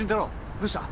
どうした？